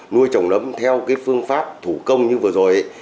nuôi trồng nấm theo cái phương pháp thủ công như vừa rồi